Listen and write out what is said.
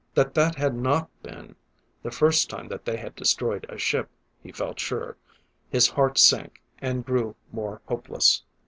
That that had not been the first time that they had destroyed a ship, he felt sure; his heart sank, and grew more hopeless.